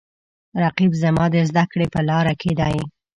رقیب زما د زده کړې په لاره کې دی